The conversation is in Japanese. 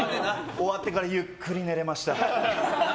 終わってからゆっくり寝られました。